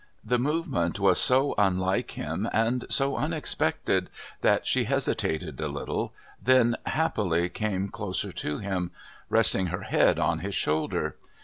The movement was so unlike him and so unexpected that she hesitated a little, then happily came closer to him, resting her head on his shoulder.